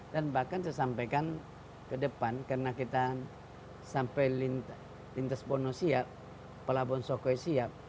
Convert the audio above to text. dan bahkan sesampaikan ke depan karena kita sampai lintas bono siap pelabuhan sokoi siap